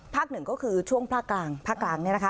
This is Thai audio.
หนึ่งก็คือช่วงภาคกลางภาคกลางเนี่ยนะคะ